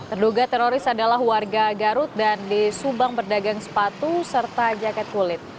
terduga teroris adalah warga garut dan di subang berdagang sepatu serta jaket kulit